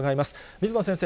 水野先生